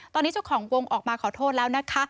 ตอนนี้เจ้าของวงออกมาขอโทษแล้วนะคะ